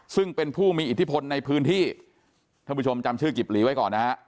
ซึ่งเป็นผู้มีอิทธิพลในพื้นที่ท่านผู้ชมจำชื่อกิบหลีไว้ก่อนนะฮะ